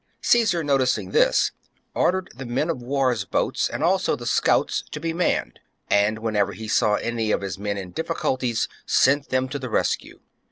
Caesar, noticing this, ordered the men of war's boats and also the scouts ^ to be manned, and, whenever he saw any of his men in difficulties, sent them to the rescue.